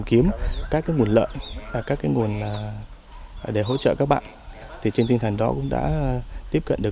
kiếm các nguồn lợi và các cái nguồn để hỗ trợ các bạn thì trên tinh thần đó cũng đã tiếp cận được